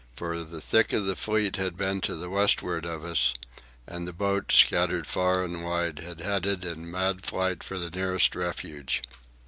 For the thick of the fleet had been to the westward of us, and the boats, scattered far and wide, had headed in mad flight for the nearest refuge.